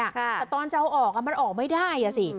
แต่ตอนจะเอาออกมันออกไม่ได้อ่ะสิ